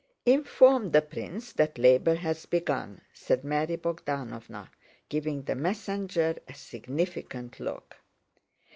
"Inform the prince that labor has begun," said Mary Bogdánovna, giving the messenger a significant look.